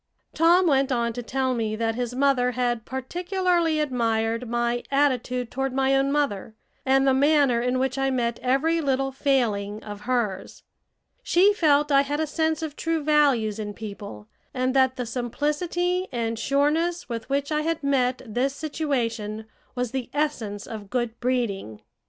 Tom went on to tell me that his mother had particularly admired my attitude toward my own mother, and the manner in which I met every little failing of hers. She felt I had a sense of true values in people, and that the simplicity and sureness with which I had met this situation was the essence of good breeding.